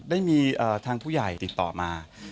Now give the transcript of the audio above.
ได้มีทางผู้ใหญ่ติดต่อมา